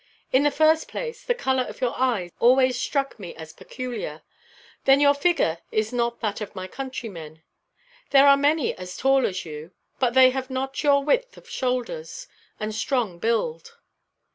In the first place, the colour of your eyes always struck me as peculiar. Then your figure is not that of my countrymen. There are many as tall as you; but they have not your width of shoulders, and strong build.